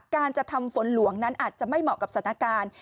การจะทำฝนหลวงนั้นอาจจะไม่เหมาะกับสถานการณ์